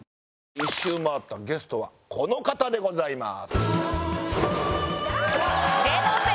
１周回ったゲストはこの方でございます。